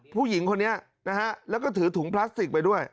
ผู้หญิงคนนี้นะฮะแล้วก็ถือถุงพลาสติกไปด้วย